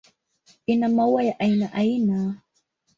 Ina maua ya aina aina.